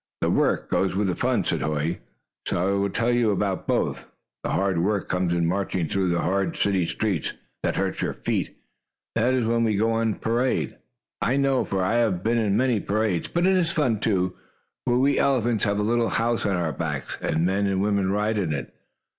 "The work goes with the fun," said Hoy, "so I will tell you about both. The hard work comes in marching through the hard city streets, that hurt your feet. That is when we go in the parade. I know, for I have been in many parades. But it is fun, too, for we elephants have a little house on our backs, and men and women ride in it.